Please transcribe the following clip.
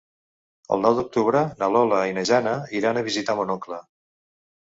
El nou d'octubre na Lola i na Jana iran a visitar mon oncle.